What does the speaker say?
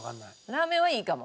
ラーメンはいいかも。